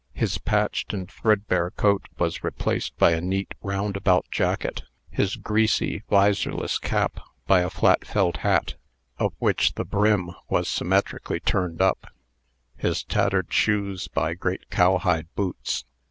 His patched and threadbare coat was replaced by a neat roundabout jacket; his greasy, visorless cap, by a flat felt hat, of which the brim was symmetrically turned up; his tattered shoes by great cowhide boots.